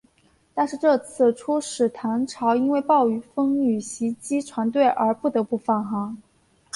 但是这次出使唐朝因为暴风雨袭击船队而不得不返航。